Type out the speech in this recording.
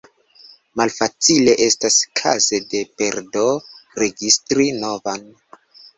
Malfacile estas kaze de perdo registri novan.